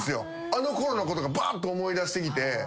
あのころのことがバッと思い出してきて。